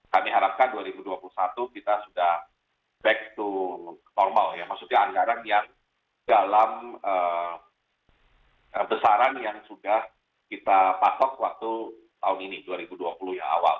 kami harapkan dua ribu dua puluh satu kita sudah back to normal ya maksudnya anggaran yang dalam besaran yang sudah kita patok waktu tahun ini dua ribu dua puluh ya awal